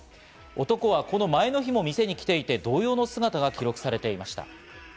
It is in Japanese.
男はこの前の日も店に来ていて、同様の姿が記録されていました。